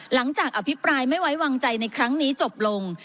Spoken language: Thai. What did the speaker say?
อภิปรายไม่ไว้วางใจในครั้งนี้จบลง